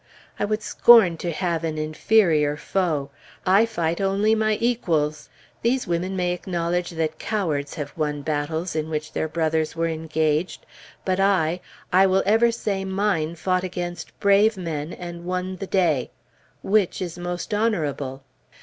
I would scorn to have an inferior foe; I fight only my equals. These women may acknowledge that cowards have won battles in which their brothers were engaged, but I, I will ever say mine fought against brave men, and won the day. Which is most honorable?